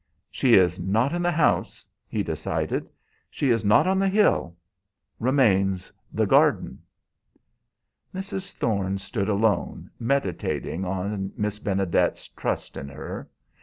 "She is not in the house," he decided; "she is not on the hill remains the garden." Mrs. Thorne stood alone, meditating on Miss Benedet's trust in her.